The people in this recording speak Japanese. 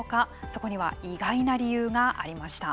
そこには意外な理由がありました。